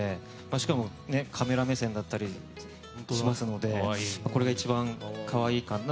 しかもカメラ目線だったりしますのでこれが一番可愛いかなと。